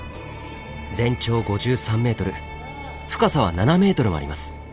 全長５３ｍ深さは７ｍもあります。